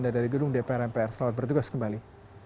dan dari gedung dpr npr selamat bertugas kembali